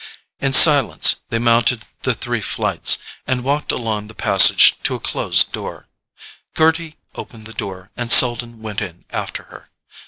In silence they mounted the three flights, and walked along the passage to a closed door. Gerty opened the door, and Selden went in after her.